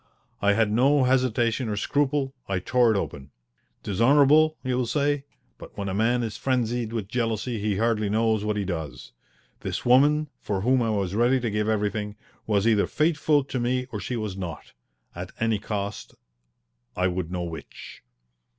I had no hesitation or scruple, I tore it open. Dishonourable, you will say, but when a man is frenzied with jealousy he hardly knows what he does. This woman, for whom I was ready to give everything, was either faithful to me or she was not. At any cost I would know which.